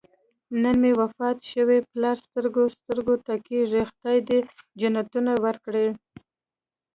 نن مې وفات شوی پلار سترګو سترګو ته کېږي. خدای دې جنتونه ورکړي.